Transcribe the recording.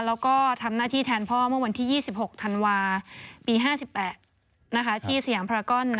แล้วก็ทำหน้าที่แทนพ่อเมื่อวันที่๒๖ธันวาคมปี๕๘ที่สยามพรากอน